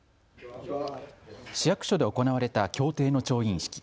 市役所で行われた協定の調印式。